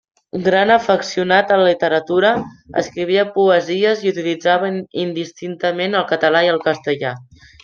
Gran afeccionat a la literatura, escrivia poesies i utilitzava indistintament el català i el castellà.